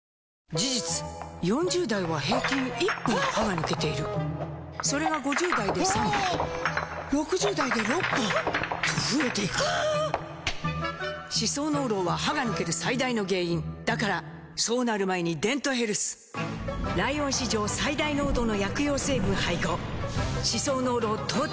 事実４０代は平均１本歯が抜けているそれが５０代で３本６０代で６本と増えていく歯槽膿漏は歯が抜ける最大の原因だからそうなる前に「デントヘルス」ライオン史上最大濃度の薬用成分配合歯槽膿漏トータルケア！